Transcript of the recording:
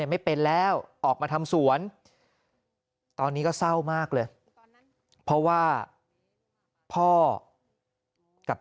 ไม่เป็นแล้วออกมาทำสวนตอนนี้ก็เศร้ามากเลยเพราะว่าพ่อกับ